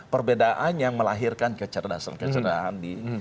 perbedaan yang melahirkan kecerdasan kecerdasan di